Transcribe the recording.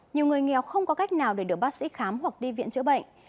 nhiều người nghèo không có cách nào để được bác sĩ khám hoặc đi viện chữa bệnh